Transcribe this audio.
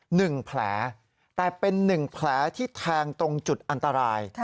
หนึ่งแผลแต่เป็นหนึ่งแผลที่แทงตรงจุดอันตราย